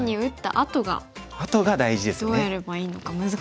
あとが大事ですね。